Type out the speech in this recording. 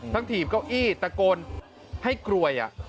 ทั้งถีบก็อี้ตะโกนให้กลวย